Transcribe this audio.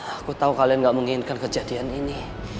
aku tahu kalian gak menginginkan kejadian ini